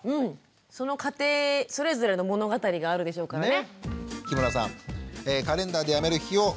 その家庭それぞれの物語があるでしょうからね。